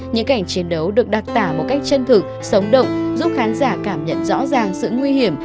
những cảnh chiến đấu được đăng tải một cách chân thực sống động giúp khán giả cảm nhận rõ ràng sự nguy hiểm